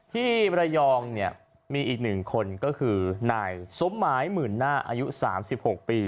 ที่ระยองเนี่ยมีอีก๑คนก็คือนายสมหมายหมื่นหน้าอายุ๓๖ปี